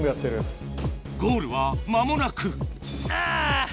ゴールは間もなくあぁ！